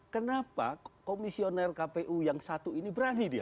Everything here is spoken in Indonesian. kenapa komisioner kpu yang satu ini berani dia